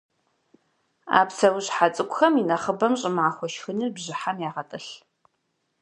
А псэущхьэ цӏыкӏухэм инэхъыбэм щӏымахуэ шхыныр бжьыхьэм ягъэтӏылъ.